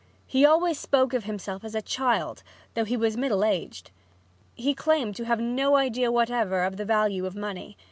He always spoke of himself as a "child," though he was middle aged. He claimed to have no idea whatever of the value of money.